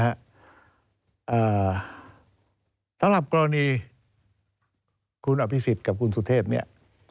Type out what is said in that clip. สำหรับกรณีคุณอภิษฎกับคุณสุเทพเนี่ย